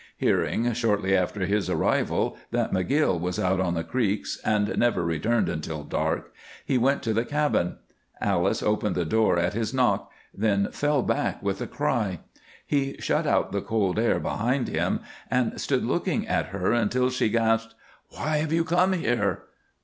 Hearing, shortly after his arrival, that McGill was out on the creeks and never returned until dark, he went to the cabin. Alice opened the door at his knock, then fell back with a cry. He shut out the cold air behind him and stood looking at her until she gasped: "Why have you come here?"